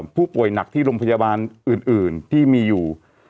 ผู้ป่วยหนักที่โรงพยาบาลอื่นที่มีอยู่